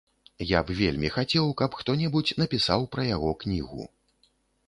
Я б вельмі хацеў, каб хто-небудзь напісаў пра яго кнігу.